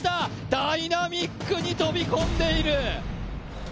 ダイナミックに飛び込んでいる。